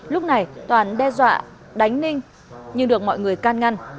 lúc này toàn đe dọa đánh ninh nhưng được mọi người can ngăn